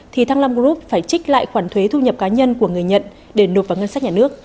thì thăng long group phải trích lại khoản thuế thu nhập cá nhân của người nhận để nộp vào ngân sách nhà nước